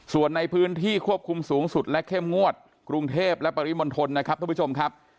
ส่วนในพื้นที่ควบคุมสูงสุดและเข้มงวดกรุงเทพและปริมณฑลนะครับทุกผู้ชมครับ